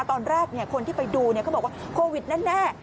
ตอนแรกคนที่ไปดูเขาบอกว่าโควิดแน่